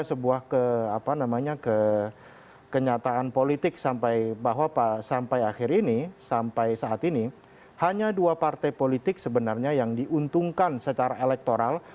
sebuah kenyataan politik bahwa sampai akhir ini sampai saat ini hanya dua partai politik sebenarnya yang diuntungkan secara elektoral